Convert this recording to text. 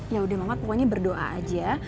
ya udah mama pokoknya berdoa aja